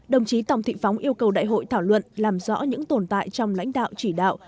đồng chí tòng thị phóng yêu cầu đại hội thảo luận làm rõ những tồn tại trong lãnh đạo chỉ đạo